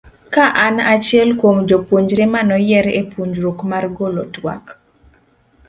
ka an achiel kuom jopuonjre maneoyier e puonjruok mar golo twak